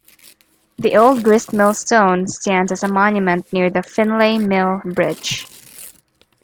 The old grist-mill stone stands as a monument near the Finlay Mill bridge.